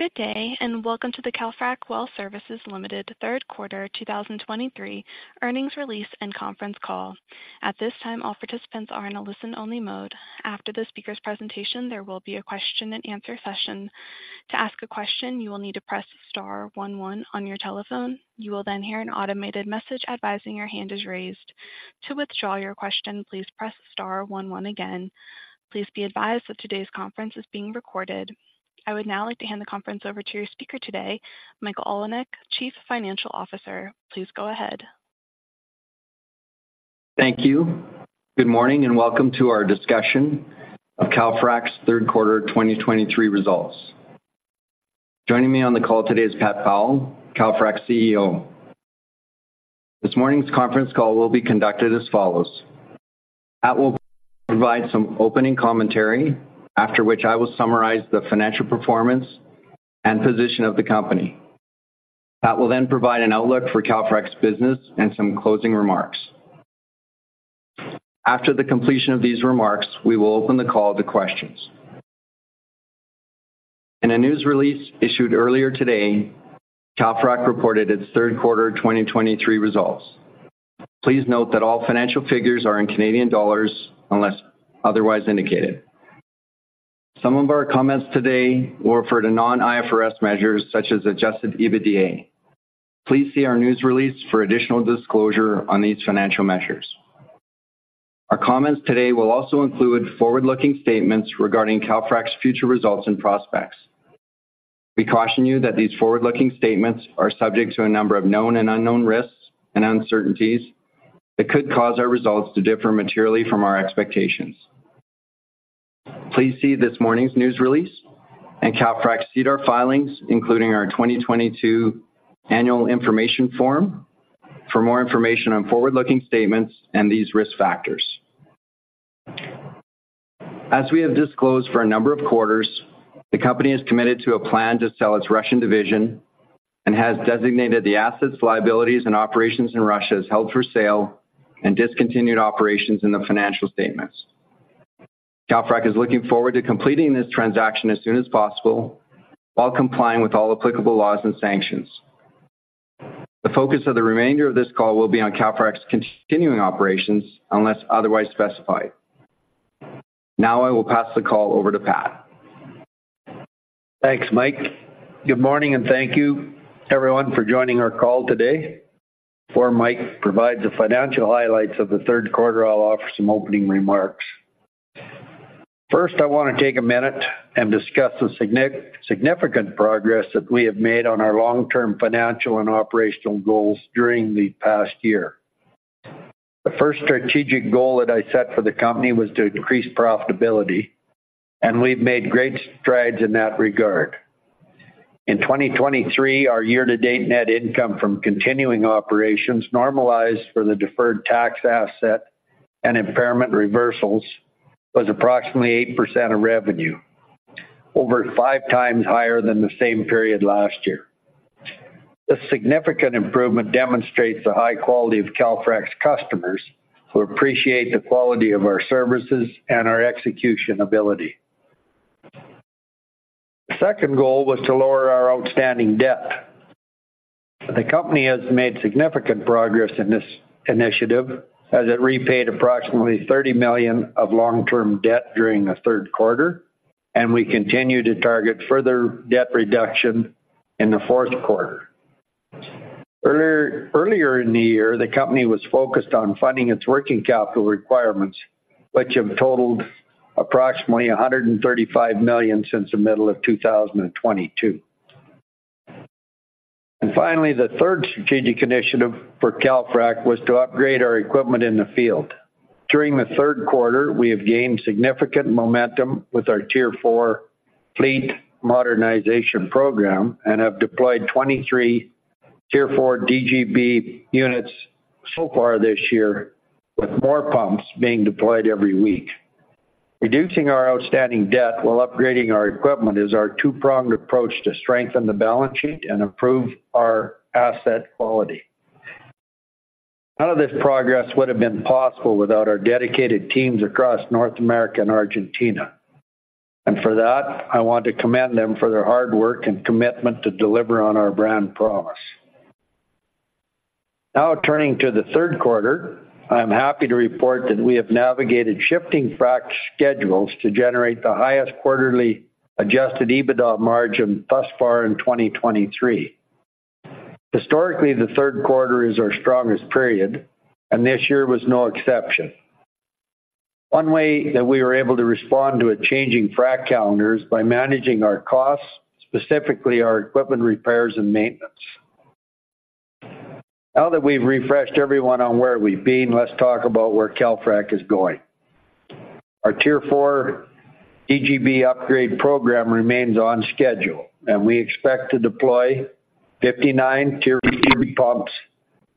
Good day, and welcome to the Calfrac Well Services Ltd. third quarter 2023 earnings release and conference call. At this time, all participants are in a listen-only mode. After the speaker's presentation, there will be a question-and-answer session. To ask a question, you will need to press star one one on your telephone. You will then hear an automated message advising your hand is raised. To withdraw your question, please press star one one again. Please be advised that today's conference is being recorded. I would now like to hand the conference over to your speaker today, Michael Olinek, Chief Financial Officer. Please go ahead. Thank you. Good morning, and welcome to our discussion of Calfrac's third quarter 2023 results. Joining me on the call today is Pat Powell, Calfrac's CEO. This morning's conference call will be conducted as follows: Pat will provide some opening commentary, after which I will summarize the financial performance and position of the company. Pat will then provide an outlook for Calfrac's business and some closing remarks. After the completion of these remarks, we will open the call to questions. In a news release issued earlier today, Calfrac reported its third quarter 2023 results. Please note that all financial figures are in Canadian dollars, unless otherwise indicated. Some of our comments today refer to non-IFRS measures, such as adjusted EBITDA. Please see our news release for additional disclosure on these financial measures. Our comments today will also include forward-looking statements regarding Calfrac's future results and prospects. We caution you that these forward-looking statements are subject to a number of known and unknown risks and uncertainties that could cause our results to differ materially from our expectations. Please see this morning's news release and Calfrac's SEDAR filings, including our 2022 Annual Information form, for more information on forward-looking statements and these risk factors. As we have disclosed for a number of quarters, the company is committed to a plan to sell its Russian division and has designated the assets, liabilities, and operations in Russia as held for sale and discontinued operations in the financial statements. Calfrac is looking forward to completing this transaction as soon as possible while complying with all applicable laws and sanctions. The focus of the remainder of this call will be on Calfrac's continuing operations, unless otherwise specified. Now I will pass the call over to Pat. Thanks, Mike. Good morning, and thank you, everyone, for joining our call today. Before Mike provides the financial highlights of the third quarter, I'll offer some opening remarks. First, I want to take a minute and discuss the significant progress that we have made on our long-term financial and operational goals during the past year. The first strategic goal that I set for the company was to increase profitability, and we've made great strides in that regard. In 2023, our year-to-date net income from continuing operations, normalized for the deferred tax asset and impairment reversals, was approximately 8% of revenue, over 5 times higher than the same period last year. This significant improvement demonstrates the high quality of Calfrac's customers, who appreciate the quality of our services and our execution ability. The second goal was to lower our outstanding debt. The company has made significant progress in this initiative, as it repaid approximately 30 million of long-term debt during the third quarter, and we continue to target further debt reduction in the fourth quarter. Earlier in the year, the company was focused on funding its working capital requirements, which have totaled approximately 135 million since the middle of 2022. Finally, the third strategic initiative for Calfrac was to upgrade our equipment in the field. During the third quarter, we have gained significant momentum with our Tier 4 fleet modernization program and have deployed 23 Tier 4 DGB units so far this year, with more pumps being deployed every week. Reducing our outstanding debt while upgrading our equipment is our two-pronged approach to strengthen the balance sheet and improve our asset quality. None of this progress would have been possible without our dedicated teams across North America and Argentina, and for that, I want to commend them for their hard work and commitment to deliver on our brand promise. Now, turning to the third quarter, I'm happy to report that we have navigated shifting frac schedules to generate the highest quarterly adjusted EBITDA margin thus far in 2023. Historically, the third quarter is our strongest period, and this year was no exception. One way that we were able to respond to a changing frac calendar is by managing our costs, specifically our equipment, repairs, and maintenance. Now that we've refreshed everyone on where we've been, let's talk about where Calfrac is going. Our Tier 4 DGB upgrade program remains on schedule, and we expect to deploy 59 Tier 4 pumps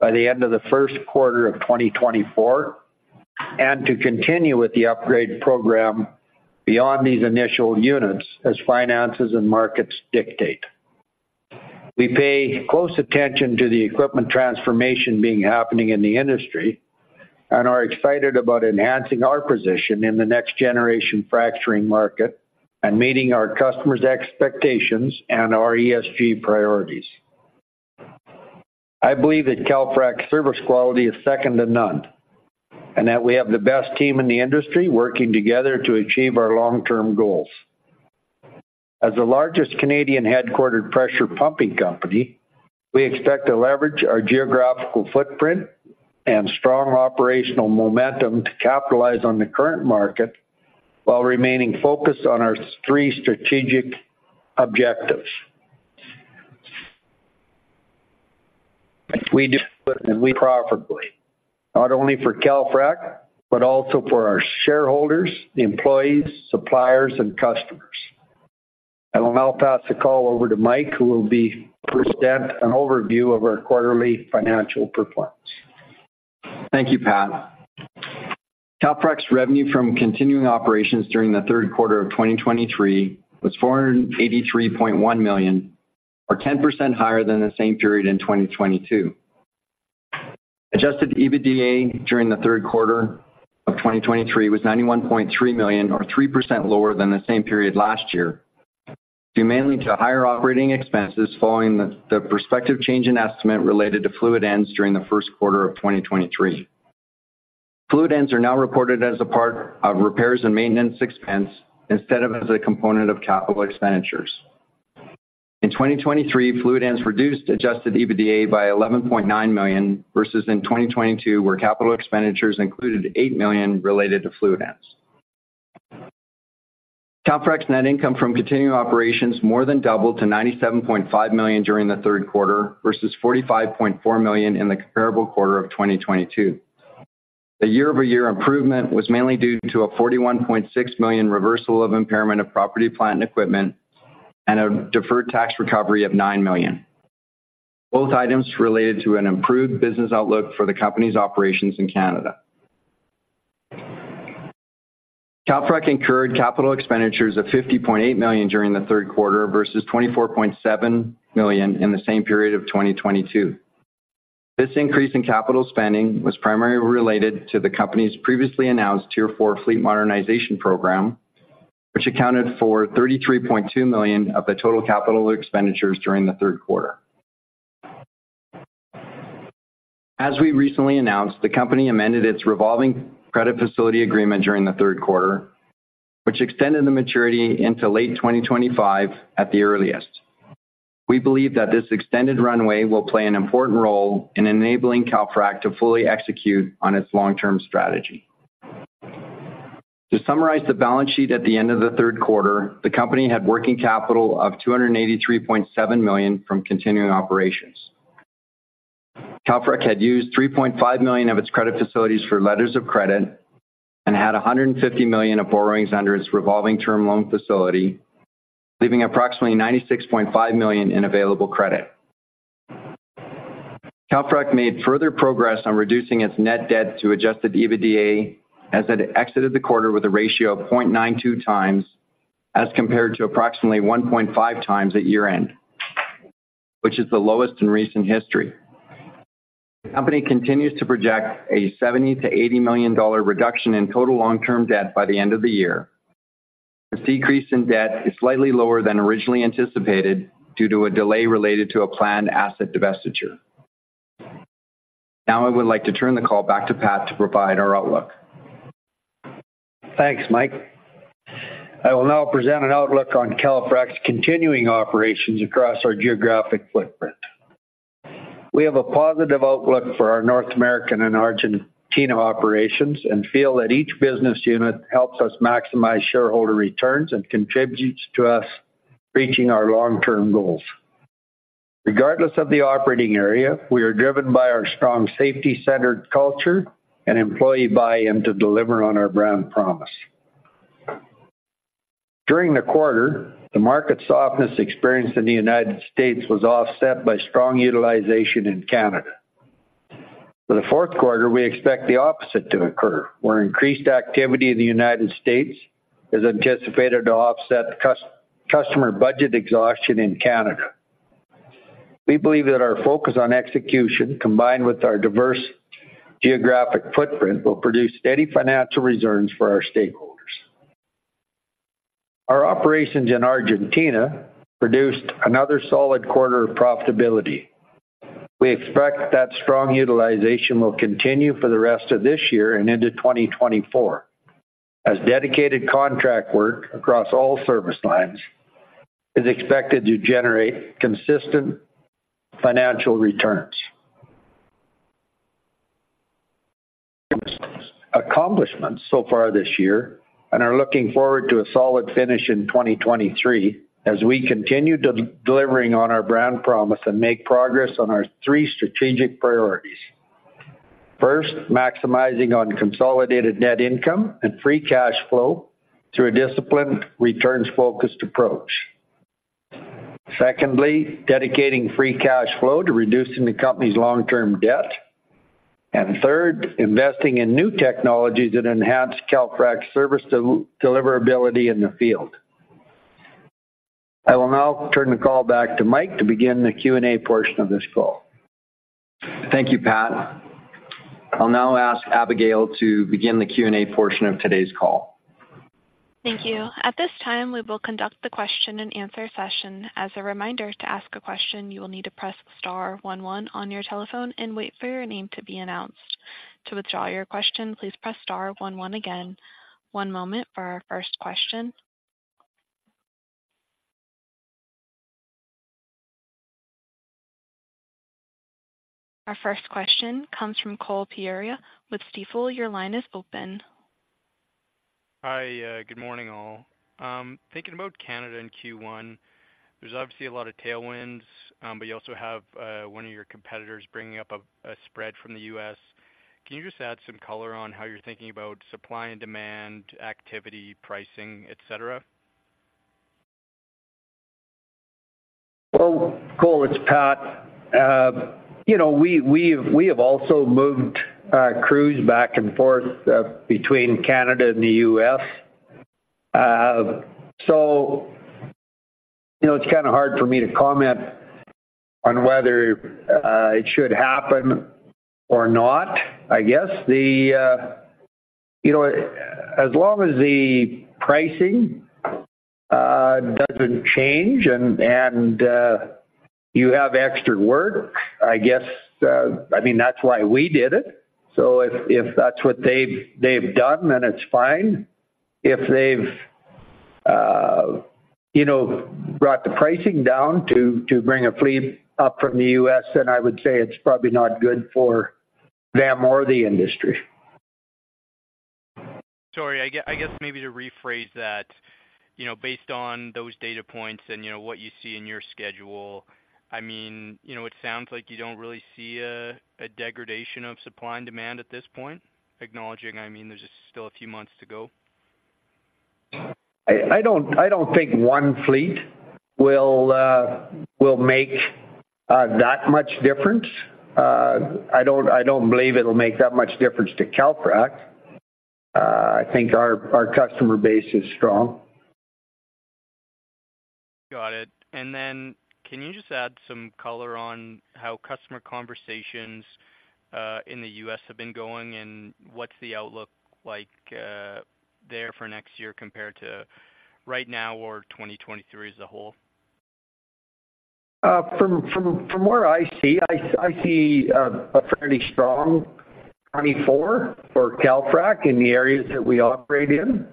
by the end of the first quarter of 2024, and to continue with the upgrade program beyond these initial units as finances and markets dictate. We pay close attention to the equipment transformation being happening in the industry and are excited about enhancing our position in the next generation fracturing market and meeting our customers' expectations and our ESG priorities. I believe that Calfrac's service quality is second to none, and that we have the best team in the industry working together to achieve our long-term goals. As the largest Canadian-headquartered pressure pumping company, we expect to leverage our geographical footprint and strong operational momentum to capitalize on the current market while remaining focused on our three strategic objectives. We do it and we profitably, not only for Calfrac, but also for our shareholders, employees, suppliers, and customers. I will now pass the call over to Mike, who will be presenting an overview of our quarterly financial performance. Thank you, Pat. Calfrac's revenue from continuing operations during the third quarter of 2023 was 483.1 million, or 10% higher than the same period in 2022. Adjusted EBITDA during the third quarter of 2023 was 91.3 million, or 3% lower than the same period last year, due mainly to higher operating expenses following the prospective change in estimate related to Fluid Ends during the first quarter of 2023. Fluid Ends are now reported as a part of repairs and maintenance expense instead of as a component of capital expenditures. In 2023, Fluid Ends reduced adjusted EBITDA by 11.9 million, versus in 2022, where capital expenditures included 8 million related to Fluid Ends. Calfrac's net income from continuing operations more than doubled to 97.5 million during the third quarter, versus 45.4 million in the comparable quarter of 2022. The year-over-year improvement was mainly due to a 41.6 million reversal of impairment of property, plant, and equipment, and a deferred tax recovery of 9 million. Both items related to an improved business outlook for the company's operations in Canada. Calfrac incurred capital expenditures of 50.8 million during the third quarter, versus 24.7 million in the same period of 2022. This increase in capital spending was primarily related to the company's previously announced Tier 4 fleet modernization program, which accounted for 33.2 million of the total capital expenditures during the third quarter. As we recently announced, the company amended its revolving credit facility agreement during the third quarter, which extended the maturity into late 2025 at the earliest. We believe that this extended runway will play an important role in enabling Calfrac to fully execute on its long-term strategy. To summarize the balance sheet at the end of the third quarter, the company had working capital of 283.7 million from continuing operations. Calfrac had used 3.5 million of its credit facilities for letters of credit and had 150 million of borrowings under its revolving term loan facility, leaving approximately 96.5 million in available credit. Calfrac made further progress on reducing its net debt to adjusted EBITDA, as it exited the quarter with a ratio of 0.92 times, as compared to approximately 1.5 times at year-end, which is the lowest in recent history. The company continues to project a $70 million-$80 million reduction in total long-term debt by the end of the year. This decrease in debt is slightly lower than originally anticipated due to a delay related to a planned asset divestiture. Now, I would like to turn the call back to Pat to provide our outlook. Thanks, Mike. I will now present an outlook on Calfrac's continuing operations across our geographic footprint. We have a positive outlook for our North American and Argentina operations and feel that each business unit helps us maximize shareholder returns and contributes to us reaching our long-term goals. Regardless of the operating area, we are driven by our strong safety-centered culture and employee buy-in to deliver on our brand promise. During the quarter, the market softness experienced in the United States was offset by strong utilization in Canada. For the fourth quarter, we expect the opposite to occur, where increased activity in the United States is anticipated to offset the customer budget exhaustion in Canada. We believe that our focus on execution, combined with our diverse geographic footprint, will produce steady financial returns for our stakeholders. Our operations in Argentina produced another solid quarter of profitability. We expect that strong utilization will continue for the rest of this year and into 2024, as dedicated contract work across all service lines is expected to generate consistent financial returns. Accomplishments so far this year and are looking forward to a solid finish in 2023 as we continue delivering on our brand promise and make progress on our three strategic priorities. First, maximizing on consolidated net income and free cash flow through a disciplined, returns-focused approach. Secondly, dedicating free cash flow to reducing the company's long-term debt. And third, investing in new technologies that enhance Calfrac's service deliverability in the field. I will now turn the call back to Mike to begin the Q&A portion of this call. Thank you, Pat. I'll now ask Abigail to begin the Q&A portion of today's call. Thank you. At this time, we will conduct the question-and-answer session. As a reminder, to ask a question, you will need to press star one one on your telephone and wait for your name to be announced. To withdraw your question, please press star one one again. One moment for our first question. Our first question comes from Cole Pereira with Stifel. Your line is open. Hi, good morning, all. Thinking about Canada in Q1, there's obviously a lot of tailwinds, but you also have one of your competitors bringing up a spread from the U.S. Can you just add some color on how you're thinking about supply and demand, activity, pricing, et cetera? Well, Cole, it's Pat. You know, we have also moved our crews back and forth between Canada and the U.S. So, you know, it's kind of hard for me to comment on whether it should happen or not. I guess, you know, as long as the pricing doesn't change and you have extra work, I guess, I mean, that's why we did it. So if that's what they've done, then it's fine. If they've you know, brought the pricing down to bring a fleet up from the US, then I would say it's probably not good for them or the industry. Sorry, I guess maybe to rephrase that, you know, based on those data points and, you know, what you see in your schedule, I mean, you know, it sounds like you don't really see a degradation of supply and demand at this point? Acknowledging, I mean, there's still a few months to go. I don't think one fleet will make that much difference. I don't believe it'll make that much difference to Calfrac. I think our customer base is strong. Got it. And then can you just add some color on how customer conversations in the U.S. have been going, and what's the outlook like there for next year compared to right now or 2023 as a whole? From where I see, I see a fairly strong 2024 for Calfrac in the areas that we operate in.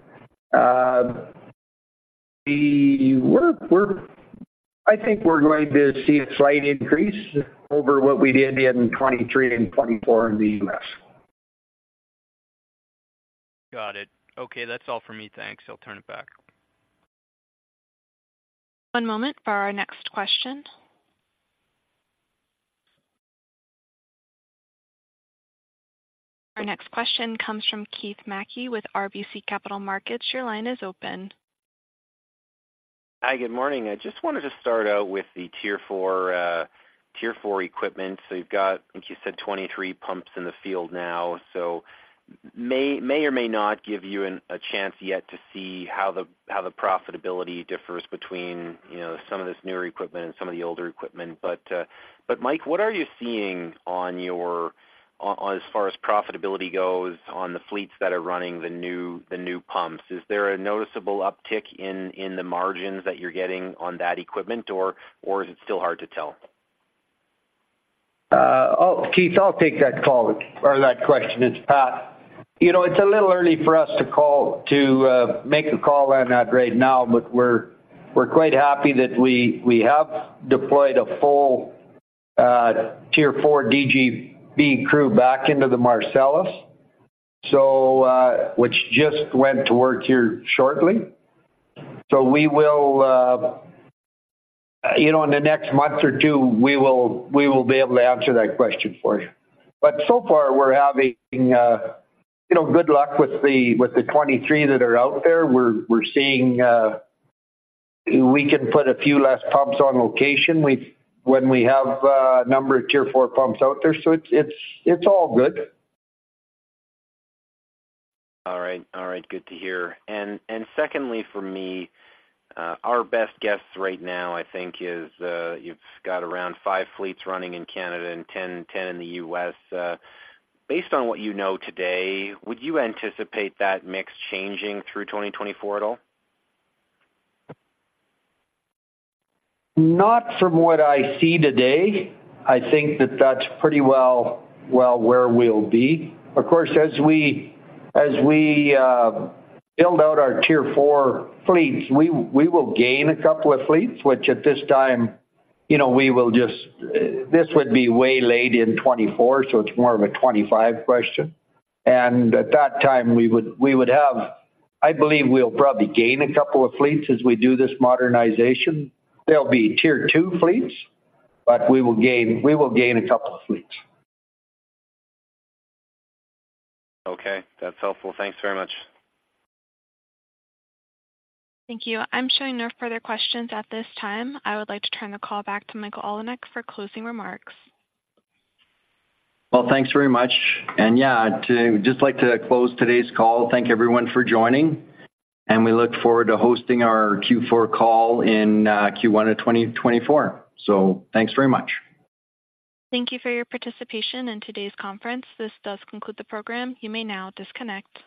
We're... I think we're going to see a slight increase over what we did in 2023 and 2024 in the US. Got it. Okay, that's all for me. Thanks. I'll turn it back. One moment for our next question. Our next question comes from Keith Mackey with RBC Capital Markets. Your line is open. Hi, good morning. I just wanted to start out with the Tier 4 equipment. So you've got, I think you said, 23 pumps in the field now. So may or may not give you a chance yet to see how the profitability differs between, you know, some of this newer equipment and some of the older equipment. But Mike, what are you seeing on as far as profitability goes on the fleets that are running the new pumps? Is there a noticeable uptick in the margins that you're getting on that equipment, or is it still hard to tell? Oh, Keith, I'll take that call or that question. It's Pat. You know, it's a little early for us to call to make a call on that right now, but we're quite happy that we have deployed a full Tier 4 DGB crew back into the Marcellus, so which just went to work here shortly. So we will, you know, in the next month or two, we will be able to answer that question for you. But so far, we're having, you know, good luck with the 23 that are out there. We're seeing we can put a few less pumps on location when we have a number of Tier 4 pumps out there. So it's all good. All right, all right, good to hear. And, and secondly, for me, our best guess right now, I think is, you've got around five fleets running in Canada and 10, 10 in the U.S. Based on what you know today, would you anticipate that mix changing through 2024 at all? Not from what I see today. I think that that's pretty well, well where we'll be. Of course, as we, as we build out our Tier 4 fleets, we, we will gain a couple of fleets, which at this time, you know, we will just... This would be way late in 2024, so it's more of a 2025 question. And at that time, we would, we would have. I believe we'll probably gain a couple of fleets as we do this modernization. There'll be Tier 2 fleets, but we will gain, we will gain a couple of fleets. Okay, that's helpful. Thanks very much. Thank you. I'm showing no further questions at this time. I would like to turn the call back to Michael Olinek for closing remarks. Well, thanks very much. And yeah, to just like to close today's call, thank everyone for joining, and we look forward to hosting our Q4 call in Q1 of 2024. So thanks very much. Thank you for your participation in today's conference. This does conclude the program. You may now disconnect.